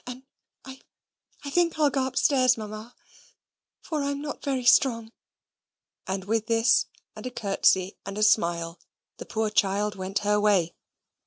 And I I think I'll go upstairs, Mamma, for I'm not very strong." And with this, and a curtsey and a smile, the poor child went her way.